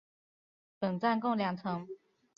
本站共两层。